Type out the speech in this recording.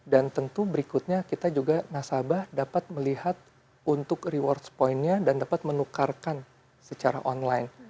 dan tentu berikutnya kita juga nasabah dapat melihat untuk reward point nya dan dapat menukarkan secara online